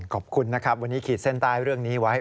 ขอบคุณนะครับวันนี้ขีดเส้นใต้เรื่องนี้ไว้